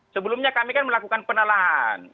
sebelumnya kami kan melakukan penelahan